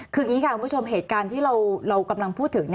คืออย่างนี้ค่ะคุณผู้ชมเหตุการณ์ที่เรากำลังพูดถึง